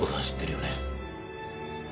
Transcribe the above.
知ってるよね？